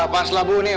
pas lah bu nih